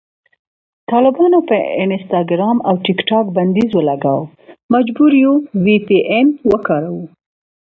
طالبانو په انسټاګرام او ټیکټاک بندیز ولګاوو، مجبور یو وي پي این وکاروو